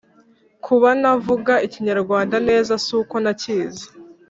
Kuba ntavuga ikinyarwanda neza suko ntakizi